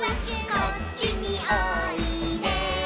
「こっちにおいで」